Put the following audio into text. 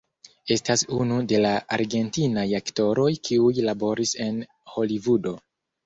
Estas unu de la argentinaj aktoroj kiuj laboris en Holivudo.